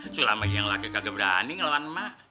selama yang laki laki kagak berani ngelawan emak